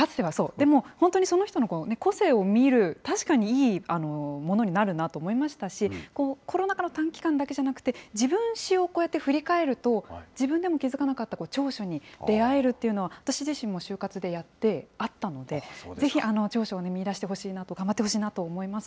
でも、本当にその人の個性を見る、確かにいいものになるなと思いましたし、コロナ禍の短期間だけじゃなくて、自分史をこうやって振り返ると、自分でも気付かなかった長所に出会えるっていうのは、私自身も就活でやって、あったので、ぜひ長所を見いだしてほしいなと、頑張ってほしいなと思います。